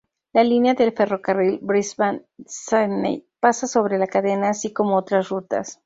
La línea del ferrocarril Brisbane-Sídney pasa sobre la cadena así como otras rutas.